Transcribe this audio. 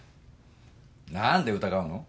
何で疑うの？